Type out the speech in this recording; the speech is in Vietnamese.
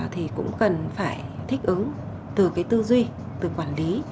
thì cũng cần phải thích ứng từ cái tư duy từ quản lý